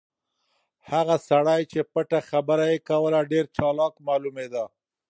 هغه سړی چې پټه خبره یې کوله ډېر چالاک معلومېده.